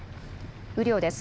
雨量です。